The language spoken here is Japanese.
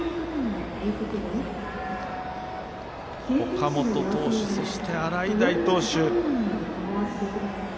岡本投手、そして洗平投手。